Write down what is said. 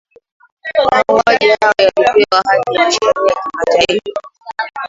mauaji hayo yalipewa hadhi ya kisheria ya kimataifa